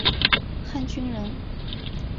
汉军人。